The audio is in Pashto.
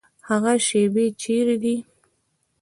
هغه شیبې چیري دي؟